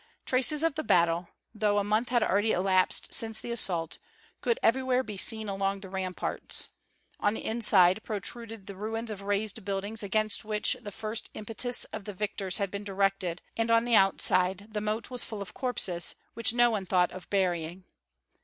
Traces of the battle, though a month had already elapsed since the assault, could everywhere be seen along the ramparts; on the inside protruded the ruins of razed buildings against which the first impetus of the victors had been directed and on the outside the moat was full of corpses, which no one thought of burying.